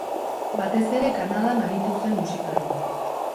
Batez ere Kanadan aritu zen musikari.